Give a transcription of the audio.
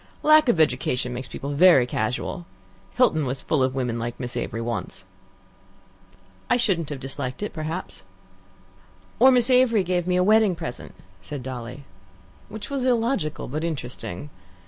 Lack of education makes people very casual. Hilton was full of women like Miss Avery once." "I shouldn't have disliked it, perhaps." "Or Miss Avery giving me a wedding present," said Dolly. Which was illogical but interesting.